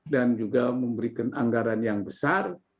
dan juga memberikan anggaran yang besar